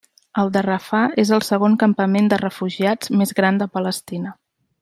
El de Rafah és el segon campament de refugiats més gran de Palestina.